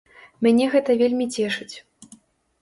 Мяне гэта вельмі цешыць.